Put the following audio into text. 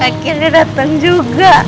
akhirnya dateng juga